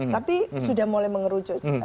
tapi sudah mulai mengerucut